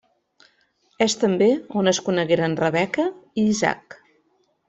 És també on es conegueren Rebeca i Isaac.